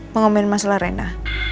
pengomongin masalah reina